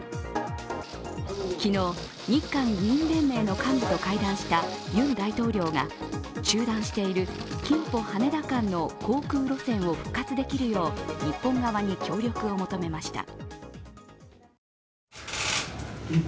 昨日、日韓議員連盟の幹部と会談したユン大統領が中断しているキンポ−羽田間の航空路線を復活できるよう日本側に協力を求めました。